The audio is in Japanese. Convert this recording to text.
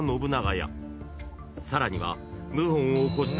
［さらには謀反を起こした］